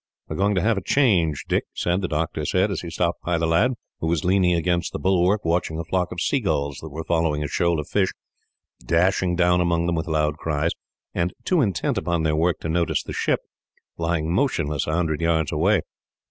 "We are going to have a change, Dick," the doctor said, as he stopped by the lad, who was leaning against the bulwark watching a flock of seabirds that were following a shoal of fish, dashing down among them with loud cries, and too intent upon their work to notice the ship, lying motionless a hundred yards away.